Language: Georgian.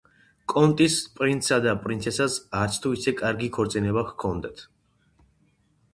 კონტის პრინცსა და პრინცესას არც თუ ისე კარგი ქორწინება ჰქონდათ.